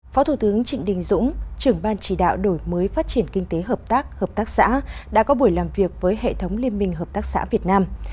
phó thủ tướng trịnh đình dũng trưởng ban chỉ đạo đổi mới phát triển kinh tế hợp tác hợp tác xã đã có buổi làm việc với hệ thống liên minh hợp tác xã việt nam